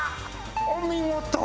お見事！